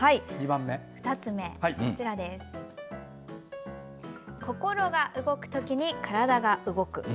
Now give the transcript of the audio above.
２つ目、心が動くときに体が動く。